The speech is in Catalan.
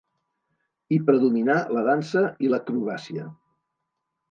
Hi predominà la dansa i l'acrobàcia.